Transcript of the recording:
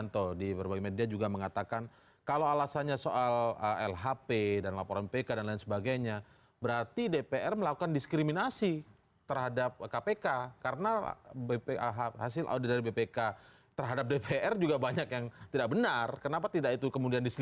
terima kasih pak faris